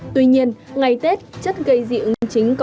tuy nhiên ngày tết chất gây dị ứng chính có